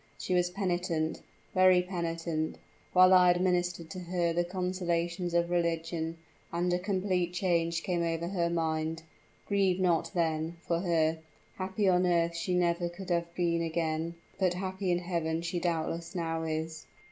She was penitent, very penitent, while I administered to her the consolations of religion, and a complete change came over her mind. Grieve not, then, for her; happy on earth she never could have been again but happy in heaven she doubtless now is!"